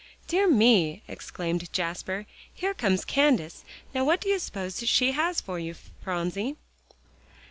"Dear me!" exclaimed Jasper, "here comes Candace! Now what do you suppose she has for you, Phronsie?"